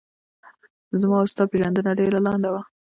زما و ستا پیژندنه ډېره لڼده وه